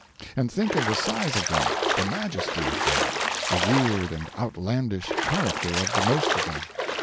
And think of the size of them, the majesty of them, the weird and outlandish character of the most of them!